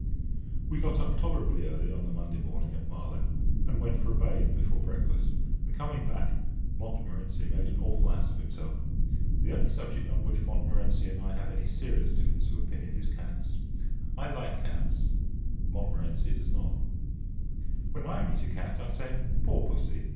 We got up tolerably early on the Monday morning at Marlow, and went for a bathe before breakfast; and, coming back, Montmorency made an awful ass of himself. The only subject on which Montmorency and I have any serious difference of opinion is cats. I like cats; Montmorency does not. [Picture: Cat] When I meet a cat, I say, "Poor Pussy!"